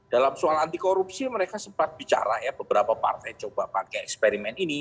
dalam soal anti korupsi mereka sempat bicara ya beberapa partai coba pakai eksperimen ini